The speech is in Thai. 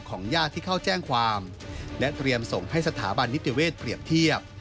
ญาติที่เข้าแจ้งความและเตรียมส่งให้สถาบันนิติเวศเปรียบเทียบ